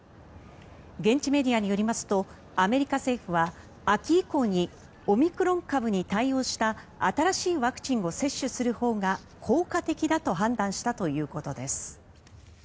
現地メディアによりますとアメリカ政府は秋以降にオミクロン株に対応した新しいワクチンを接種するほうが効果的だと判断したということです。